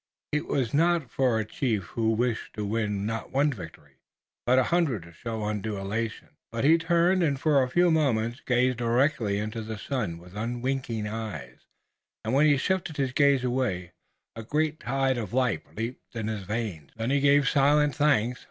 It was not for a chief who wished to win not one victory, but a hundred to show undue elation. But he turned and for a few moments gazed directly into the sun with unwinking eyes, and when he shifted his gaze away, a great tide of life leaped in his veins. Then he gave silent thanks.